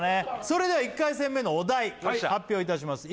それでは１回戦目のお題発表いたします